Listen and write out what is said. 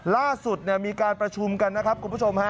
ล่าสุดมีการประชุมกันนะครับคุณผู้ชมฮะ